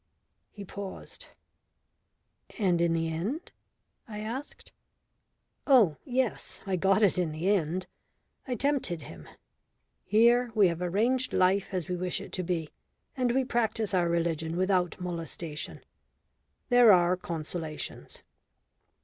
He paused. "And in the end?" I asked. "Oh, yes, I got it in the end. I tempted him. Here we have arranged life as we wish it to be, and we practise our religion without molestation. There are consolations."